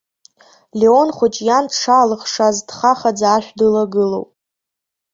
Леон хәыҷ иан дшаалыхшаз дхахаӡа ашә дылагылоуп.